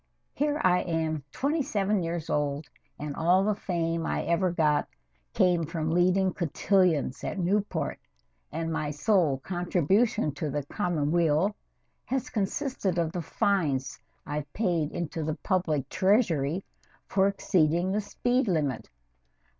Here am I twenty seven years old and all the fame I ever got came from leading cotillions at Newport, and my sole contribution to the common weal has consisted of the fines I've paid into the public treasury for exceeding the speed limit.